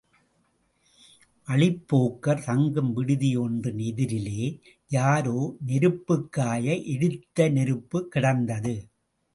வழிப்போக்கர் தங்கும் விடுதி ஒன்றின் எதிரிலே, யாரோ நெருப்புக்காய எரித்த நெருப்புக் கிடந்தது.